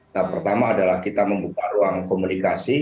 tahap pertama adalah kita membuka ruang komunikasi